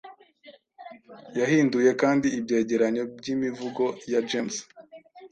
yahinduye kandi ibyegeranyo byimivugo ya James